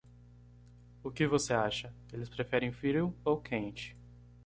O que você acha? eles preferem frio ou quente?